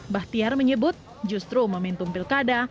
bahtiar menyebut justru momentum pilkada